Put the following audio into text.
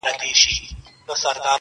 ککرۍ يې دي رېبلي دې بدرنگو ککریو.